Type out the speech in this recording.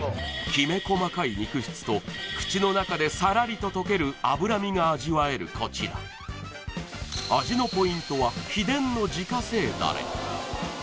きめ細かい肉質と口の中でサラリと溶ける脂身が味わえるこちら味のポイントは秘伝の自家製ダレ